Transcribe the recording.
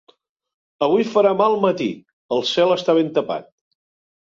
Avui farà mal matí, el cel està ben tapat.